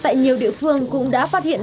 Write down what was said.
tại nhiều địa phương cũng đã phát hiện